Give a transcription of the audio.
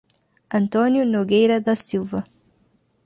Antônio Nogueira da Silva